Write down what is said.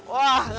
wah makasih banyak